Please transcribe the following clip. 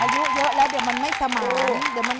อายุเยอะแล้วเดี๋ยวมันไม่เสมอ